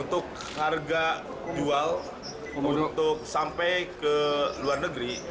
untuk harga jual untuk sampai ke luar negeri